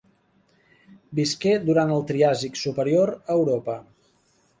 Visqué durant el Triàsic superior a Europa.